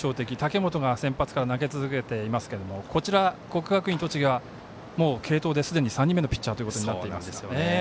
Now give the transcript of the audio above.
武元が先発から投げ続けていますけれどもこちら、国学院栃木は継投で、すでに３人目のピッチャーとなっていますが。